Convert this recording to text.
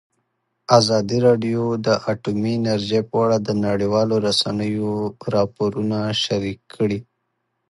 ازادي راډیو د اټومي انرژي په اړه د نړیوالو رسنیو راپورونه شریک کړي.